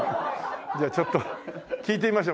じゃあちょっと聴いてみましょう。